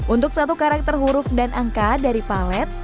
untuk satu karakter huruf dan angka dari palet